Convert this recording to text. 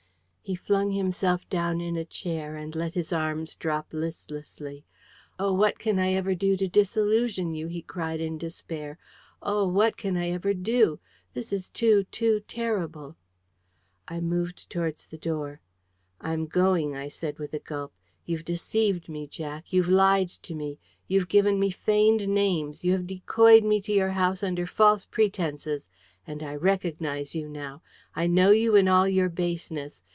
He flung himself down in a chair, and let his arms drop listlessly. "Oh! what can I ever do to disillusion you?" he cried in despair. "Oh! what can I ever do? This is too, too terrible!" I moved towards the door. "I'm going," I said, with a gulp. "You've deceived me, Jack. You've lied to me. You have given me feigned names. You have decoyed me to your house under false pretences. And I recognise you now. I know you in all your baseness.